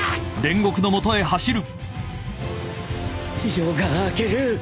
夜が明ける